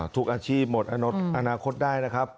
ทุกอาชีพหมดอนาคตได้นะครับ